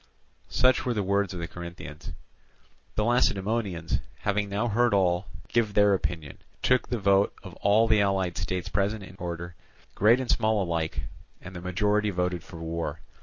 Such were the words of the Corinthians. The Lacedaemonians, having now heard all, give their opinion, took the vote of all the allied states present in order, great and small alike; and the majority voted for war.